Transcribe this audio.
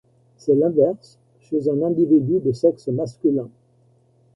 C'est l'inverse chez un individu de sexe masculin.